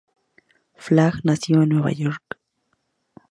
Flagg nació en Nueva York.